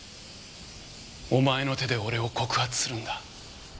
お前の手で俺を告発するんだ。